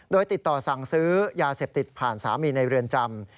โดยติดต่อสั่งซื้อยาเสพติดผ่านสามีในเรือนจำ